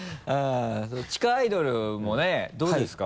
地下アイドルもねどうですか？